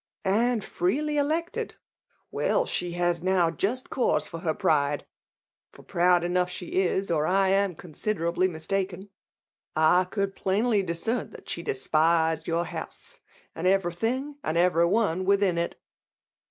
" And freely elected !— ^Well, she has now just cause for her pride ; for proud enough she is, or I am considerably mistaken. I could plainly discern that she despised your house, and everything, and every one within it